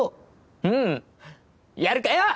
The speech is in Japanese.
うんやるかよ！